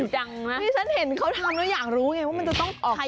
ฉันเห็นเค้าทำแล้วอยากรู้ไงว่ามันจะต้องออกมา